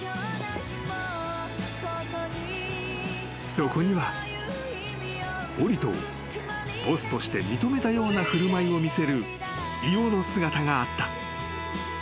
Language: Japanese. ［そこにはオリトをボスとして認めたような振る舞いを見せるイオの姿があった］